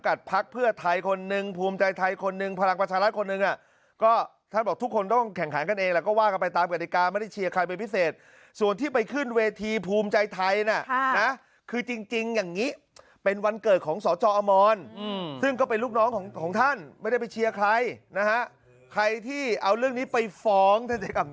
แค่นิดเดียวเพราะผมพูดจริง